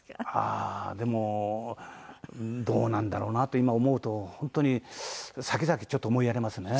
ああでもどうなんだろうなと今思うと本当に先々ちょっと思いやられますね。